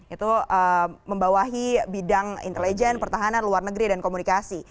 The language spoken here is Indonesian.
itu membawahi bidang intelijen pertahanan luar negeri dan komunikasi